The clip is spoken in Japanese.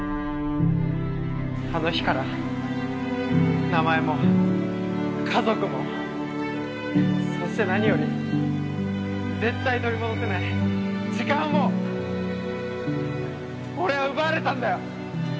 あの日から名前も家族もそして何より絶対に取り戻せない時間を俺は奪われたんだよ！